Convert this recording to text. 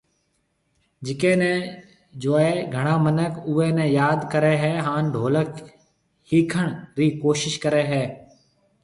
جڪي ني جوئي گھڻا منک اوئي ني ياد ڪري ھيَََ ھان ڍولڪ ۿيکڻ رِي ڪوشش ڪري ھيَََ